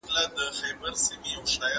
بلوغي د هورمونونو د بدلون پیل دی.